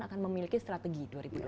akan memiliki strategi dua ribu dua puluh